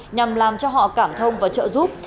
nhằm làm cho họ cảm thông và trợ giúp